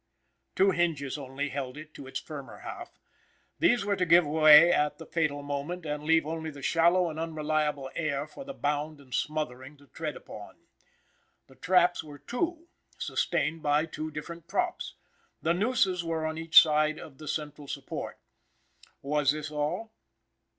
Two hinges only held it to its firmer half. These were to give way at the fatal moment, and leave only the shallow and unreliable air for the bound and smothering to tread upon. The traps were two, sustained by two different props. The nooses were on each side of the central support. Was this all?